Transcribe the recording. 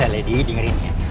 lady dengerin ya